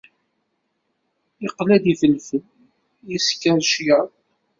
Yeqla-d ifelfel, yesker cyaḍ.